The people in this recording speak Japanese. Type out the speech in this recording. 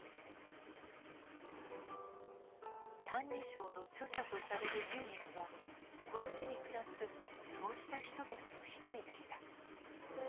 「歎異抄」の著者とされる唯円はこの地に暮らすそうした人々の一人でした。